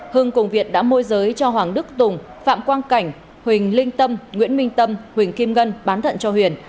hưng cùng việt đã môi giới cho hoàng đức tùng phạm quang cảnh huỳnh linh tâm nguyễn minh tâm huỳnh kim ngân bán thận cho huyền